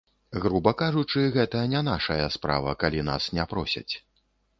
Груба кажучы, гэта не нашая справа, калі нас не просяць.